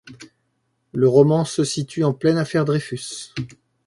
Le roman se situe en pleine affaire Dreyfus.